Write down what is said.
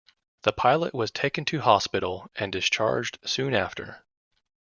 The pilot was taken to hospital and discharged soon after.